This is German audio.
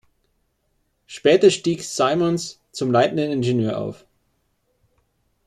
Später stieg Symonds zum leitenden Ingenieur auf.